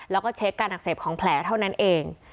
แล้วก็เช็คการอักเสบของแผลเท่านั้นเอง